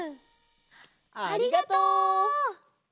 ありがとう！